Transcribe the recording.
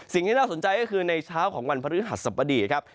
สิ่งที่น่าสนใจก็คือในเช้าของวันพฤหัสสบดีครับ